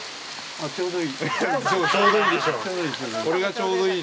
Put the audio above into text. あ、ちょうどいい。